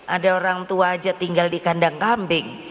ada orang tua aja tinggal di kandang kambing